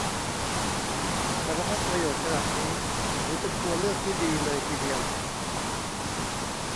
สารพัดประโยชน์ขนาดนี้ถือเป็นตัวเลือกที่ดีเลยทีเดียว